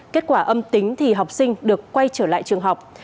kết quả âm tính thì học sinh được quay trở lại trường học